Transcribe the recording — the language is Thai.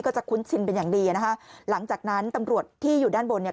คุ้นชินเป็นอย่างดีนะคะหลังจากนั้นตำรวจที่อยู่ด้านบนเนี่ย